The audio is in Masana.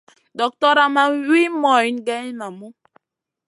Doktora ma wi moyne geyn namu.